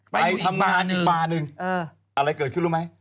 ไปทำงานอีกปลาหนึ่งอะไรเกิดขึ้นรู้ไหม